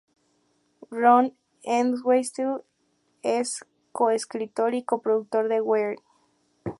Ron Entwistle es co-escritor y co-productor de ""Weird"".